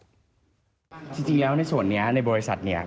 จริงแล้วในส่วนนี้ในบริษัทเนี่ย